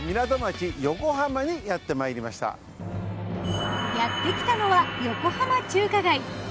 やってきたのは横浜中華街。